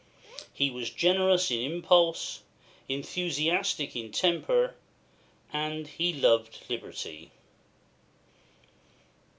He was generous in impulse, enthusiastic in temper, and he loved liberty.